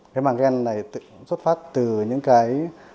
cái màng gen này xuất phát từ những cái